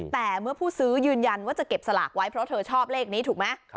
แต่เมื่อผู้ซื้อยืนยันว่าจะเก็บสลากไว้เพราะเธอชอบเลขนี้ถูกไหม